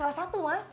hah salah satu mas